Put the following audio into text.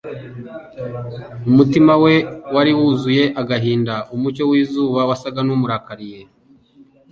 umutima we wari wuzuye agahinda. Umucyo w’izuba wasaga n’umurakariye,